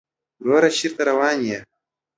وروره چېرته روان يې؟